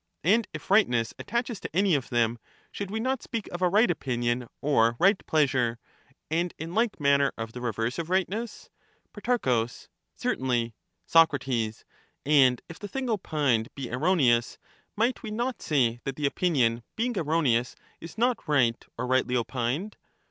And if rightness attaches to any of them, should we not speak of a right opinion or right pleasure ; and in like manner of the reverse of rightness ? Pro. Certainly. Soc. And if the thing opined be erroneous, might we not say that the opinion, being erroneous, is not right or rightly opined